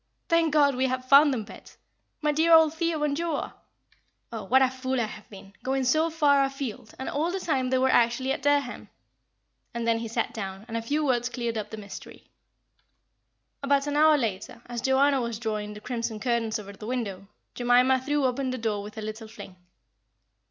"Thank God, we have found them, Bet. My dear old Theo and Joa! Oh, what a fool I have been, going so far afield, and all the time they are actually at Dereham;" and then he sat down, and a few words cleared up the mystery. About an hour later, as Joanna was drawing the crimson curtains over the window, Jemima threw open the door with a little fling.